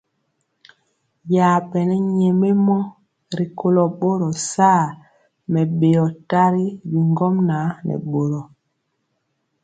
Yabɛne nyɛmemɔ rikolo boro saa mɛbeo tari bi ŋgomnaŋ nɛ boro.